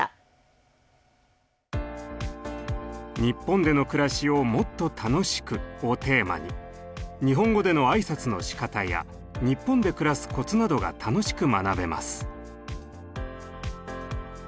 「日本での暮らしをもっと楽しく！」をテーマに日本語での挨拶のしかたや日本で暮らすコツなどが楽しく学べます。